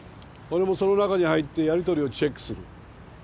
俺もその中に入ってやりとりをチェックする。